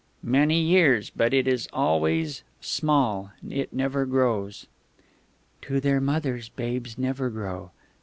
"Many years; but it is always small; it never grows." "To their mothers babes never grow.